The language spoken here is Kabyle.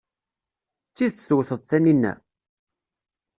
D tidet tewteḍ Taninna?